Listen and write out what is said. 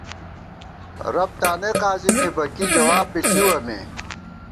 رب تانَئ قاضی تھِبہ کی جواب بی ݪِوَہ مے